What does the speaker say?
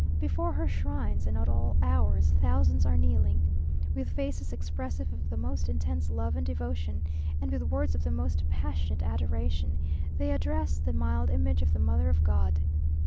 Before her shrines, and at all hours, thousands are kneeling. With faces expressive of the most intense love and devotion, and with words of the most passionate adoration, they address the mild image of the Mother of God.